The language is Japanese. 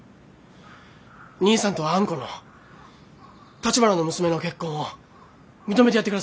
兄さんとあんこのたちばなの娘の結婚を認めてやってください。